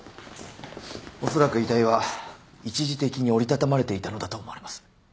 おそらく遺体は一時的に折り畳まれていたのだと思われます。